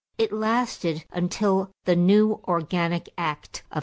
It lasted until the new organic act of 1917.